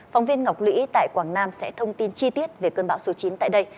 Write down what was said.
phóng viên ngọc lũy tại quảng nam sẽ thông tin chi tiết về cơn bão số chín tại đây